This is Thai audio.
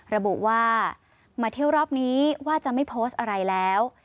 ระบุว่ามาเที่ยวรอบนี้ว่าจะไม่โพสต์อะไรแล้ว